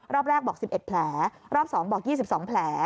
รอบแรกบอก๑๑แผลรอบ๒บอก๒๒แผล